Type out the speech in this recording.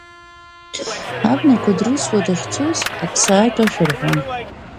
Абнақәа дрылсуа дахьцоз, аԥсаатә ашәа рҳәон.